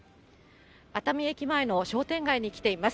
熱海駅前の商店街に来ています。